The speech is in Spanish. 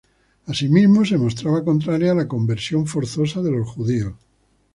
Asimismo se mostraba contraria a la conversión forzosa de los judíos.